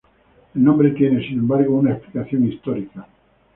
El nombre tiene, sin embargo, una explicación histórica.